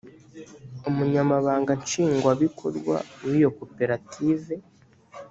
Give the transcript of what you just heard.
umunyamabanga nshingwabikorwa w iyo koperative